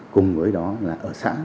cùng với đó là ở xã